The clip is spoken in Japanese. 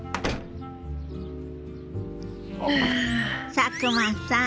佐久間さん。